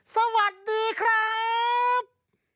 สวัสดีครับ